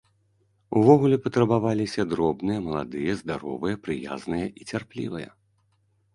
Увогуле, патрабаваліся дробныя, маладыя, здаровыя, прыязныя і цярплівыя.